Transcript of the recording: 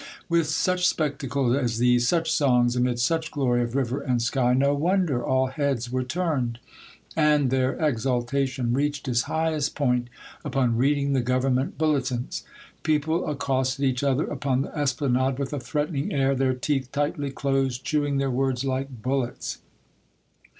With such spectacles as these, such songs, amid such glory of river and sky, no wonder all heads were turned. And their exaltation reached its highest point upon reading the Government Bulle tins. People accosted each other upon the Espla nade with a threatening air, their teeth tightly closed, chewing their words like bullets.